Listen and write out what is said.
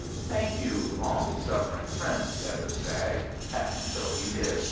"Thank you, long suffering friend!" said the Stag; and so he did.